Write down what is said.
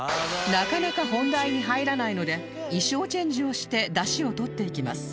なかなか本題に入らないので衣装チェンジをしてダシをとっていきます